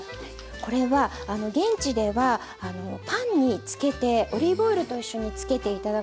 これは現地ではパンにつけてオリーブオイルと一緒につけて頂くみたいで。